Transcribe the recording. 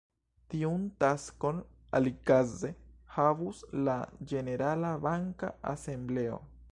Tiun taskon alikaze havus la ĝenerala banka asembleo.